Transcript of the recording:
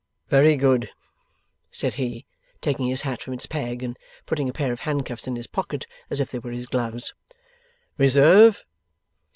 'Very good,' said he, taking his hat from its peg, and putting a pair of handcuffs in his pocket as if they were his gloves. 'Reserve!